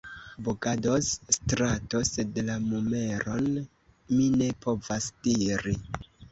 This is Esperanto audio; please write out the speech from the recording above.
Bogadoz-strato, sed la numeron mi ne povas diri.